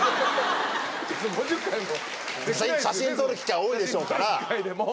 写真撮る機会多いでしょうから。